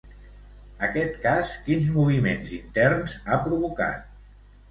Aquest cas, quins moviments interns ha provocat?